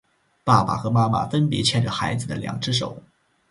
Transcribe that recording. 爸爸和妈妈分别牵着孩子的两只手